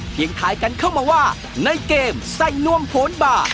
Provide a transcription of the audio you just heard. เพียงท้ายกันเข้ามาว่าในเกมไส้นวมโผล่บา